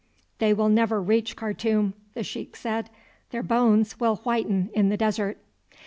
"They will never reach Khartoum," the sheik said. "Their bones will whiten in the desert."